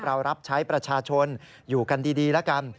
เรารับใช้ประชาชนอยู่กันดีแล้วกัน